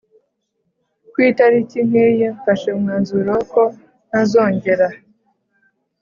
kwitariki nkiyi mfashe umwanzuro ko ntazongera